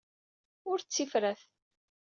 Ur d tifrat.